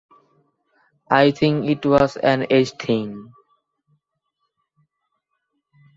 I think it was an age thing.